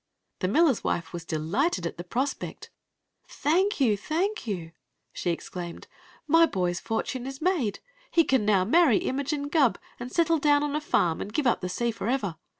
The miller s wife was delighted at the prospect " Thank you ! Thank you !" she exclaimed. " My boy's fortune is made. He can now ma ry Imogene Gubb and settle down on a farm, and give up the sea forever